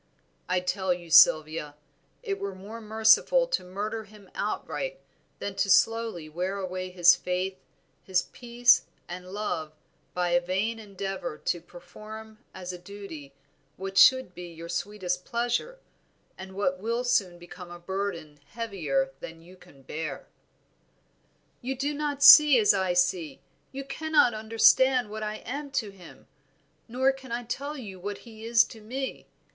I tell you, Sylvia, it were more merciful to murder him outright than to slowly wear away his faith, his peace, and love by a vain endeavor to perform as a duty what should be your sweetest pleasure, and what will soon become a burden heavier than you can bear." "You do not see as I see; you cannot understand what I am to him, nor can I tell you what he is to me.